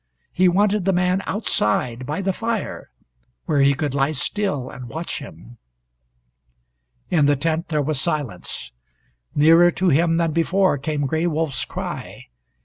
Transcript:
He wanted the man outside by the fire where he could lie still, and watch him. In the tent there was silence. Nearer to him than before came Gray Wolf's cry.